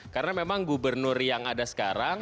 karena memang gubernur yang ada sekarang